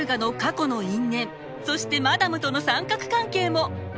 そしてマダムとの三角関係も！